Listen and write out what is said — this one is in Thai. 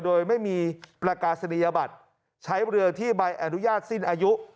โดยไม่มีประกาศนียบัตรใช้เรือที่ใบอนุญาตสิ้นอายุ